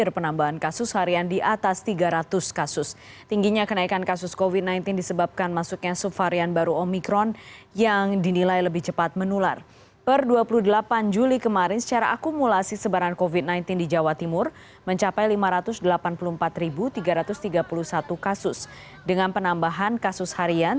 penambahan kasus harian tiga ratus delapan puluh sembilan kasus